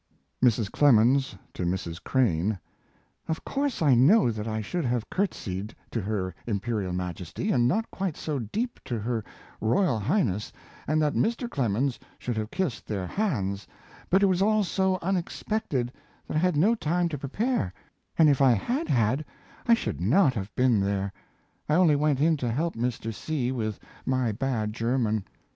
Mrs. Clemens to Mrs. Crane: Of course I know that I should have courtesied to her Imperial Majesty & not quite so deep to her Royal Highness, and that Mr. Clemens should have kissed their hands; but it was all so unexpected that I had no time to prepare, and if I had had I should not have been there; I only went in to help Mr. C. with my bad German.